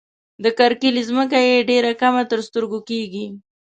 د کرکيلې ځمکه یې ډېره کمه تر سترګو کيږي.